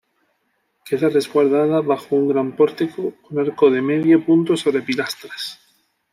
Queda resguardada bajo un gran pórtico con arco de medio punto sobre pilastras.